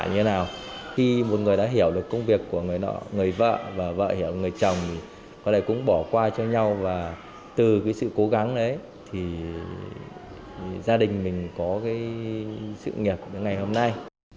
như thế nào khi một người đã hiểu được công việc của người nọ người vợ và vợ hiểu người chồng có lẽ cũng bỏ qua cho nhau và từ cái sự cố gắng đấy thì gia đình mình có cái sự nghiệp ngày hôm nay